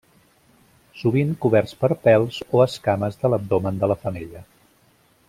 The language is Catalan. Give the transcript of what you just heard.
Sovint coberts per pèls o escames de l'abdomen de la femella.